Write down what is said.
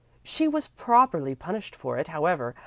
She was properly punished for it, however.